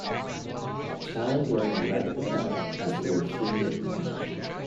A child wearing a red bandanna has the word free written on her cheek.